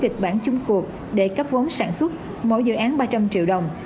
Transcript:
kịch bản chung cuộc để cấp vốn sản xuất mỗi dự án ba trăm linh triệu đồng